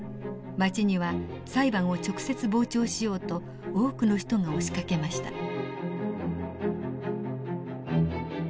町には裁判を直接傍聴しようと多くの人が押しかけました。